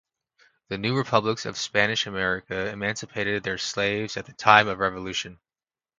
The new republics of Spanish America emancipated their slaves at the time of revolution.